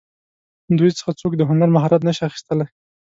دوی څخه څوک د هنر مهارت نشي اخیستلی.